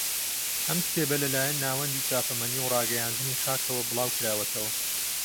ئەم کتێبە لەلایەن ناوەندی چاپەمەنی و ڕاگەیاندنی خاکەوە بڵاو کراوەتەوە